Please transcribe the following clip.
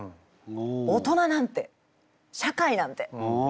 大人なんて社会なんてみたいな。